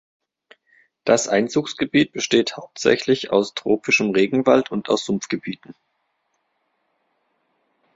Das Einzugsgebiet besteht hauptsächlich aus tropischem Regenwald und aus Sumpfgebieten.